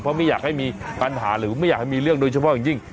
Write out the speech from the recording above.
เพราะไม่อยากให้มีปัญหาหรือไม่อยากให้มีเรื่องโดยเฉพาะอย่างยิ่ง